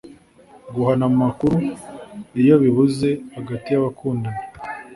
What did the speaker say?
Guhana amakuru iyo bibuze hagati y’abakunda